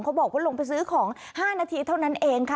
บอกว่าลงไปซื้อของ๕นาทีเท่านั้นเองค่ะ